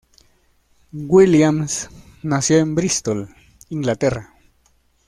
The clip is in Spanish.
Williams nació en Bristol, Inglaterra.